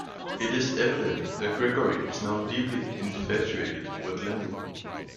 It is evident that Gregory is now deeply infatuated with Lyndall.